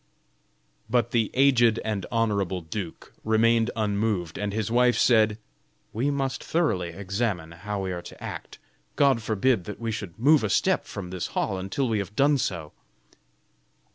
But the aged and honorable duke remained unmoved, and his wife, said: "We must thoroughly examine how we are to act. God forbid that we should move a step from this hall until we have done so."